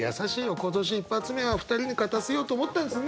今年一発目は２人に勝たせようと思ったんですね。